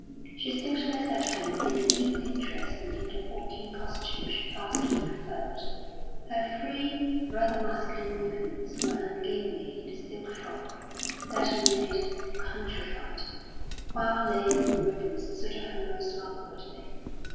She seemed less at home in an evening dress than in the walking costume she vastly preferred; her free, rather masculine movements were ungainly in the silk frock, badly made and countrified, while lace and ribbons suited her most awkwardly.